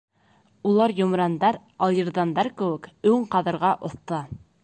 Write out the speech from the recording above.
Улар йомрандар, алйырҙандар кеүек өң ҡаҙырға оҫта.